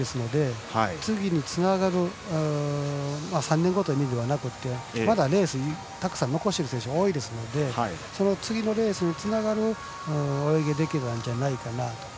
若い選手が多いですので次につながる３年後を見るのではなくまだレースたくさん残している選手が多いですのでその次のレースにつながる泳ぎができたんじゃないかなと。